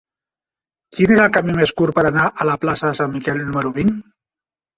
Quin és el camí més curt per anar a la plaça de Sant Miquel número vint?